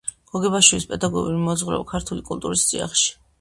გოგებაშვილის პედაგოგიური მოძღვრება ქართული კულტურის წიაღში